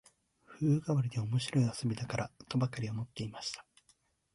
風変わりで面白い遊びだから、とばかり思っていました